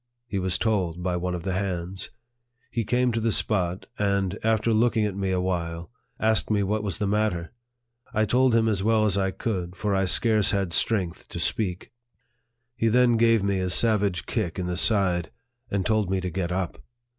He was told by one of the hands. He came to the spot, and, after looking at me awhile, asked me what was the matter. I told him as well as I could, for I scarce had strength to speak. He then LIFE OP FREDERICK DOUGLASS. 67 gave me a savage kick in the side, and told me to get up.